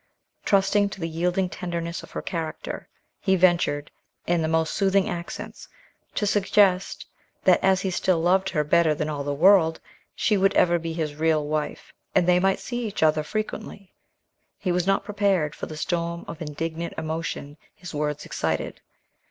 Trusting to the yielding tenderness of her character, he ventured, in the most soothing accents, to suggest that as he still loved her better than all the world, she would ever be his real wife, and they might see each other frequently. He was not prepared for the storm of indignant emotion his words excited.